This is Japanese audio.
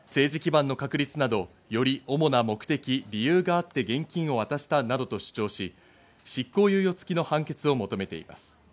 政治基盤の確立など、より主な目的・理由があって現金を渡したなどと主張し、執行猶予付きの判決を求めています。